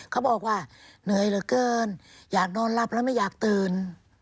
เขาบอกว่าเหนื่อยเหลือเกินอยากนอนหลับแล้วไม่อยากตื่น